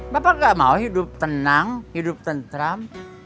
bapak gak mau hidup tenang hidup tentram